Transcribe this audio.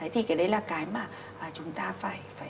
thì cái đấy là cái mà chúng ta phải